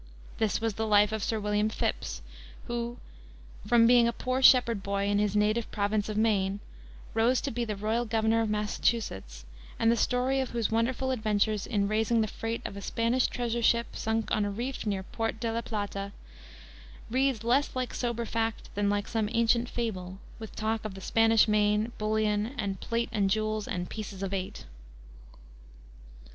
This was the life of Sir William Phipps, who, from being a poor shepherd boy in his native province of Maine, rose to be the royal governor of Massachusetts, and the story of whose wonderful adventures in raising the freight of a Spanish treasure ship, sunk on a reef near Port de la Plata, reads less like sober fact than like some ancient fable, with talk of the Spanish main, bullion, and plate and jewels and "pieces of eight."